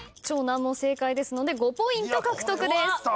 超難問正解ですので５ポイント獲得です。